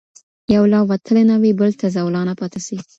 یو لا وتلی نه وي بل ته زولانه پاته سي